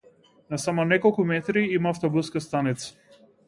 На само неколку метри има автобуска станица.